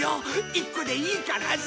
１個でいいからさ！